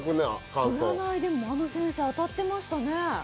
占いでも、あの先生、当たってましたね。